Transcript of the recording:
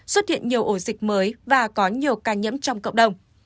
xuất hiện nhiều ổ dịch mới và có nhiều ca nhiễm trong cộng đồng